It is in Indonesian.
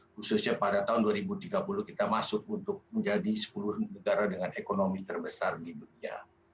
khususnya pada tahun dua ribu tiga puluh kita masuk untuk menjadi sepuluh negara dengan ekonomi terbesar di dunia